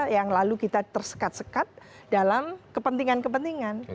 yang lalu kita tersekat sekat dalam kepentingan kepentingan